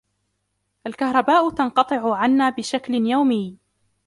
الكهرباء تنقطع عنا بشكلٍ يَومي.